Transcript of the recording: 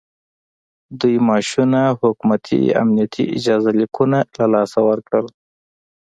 دوی معاشونه او حکومتي امنیتي اجازه لیکونه له لاسه ورکړل